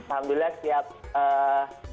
alhamdulillah setiap sore saya berada di masjid ini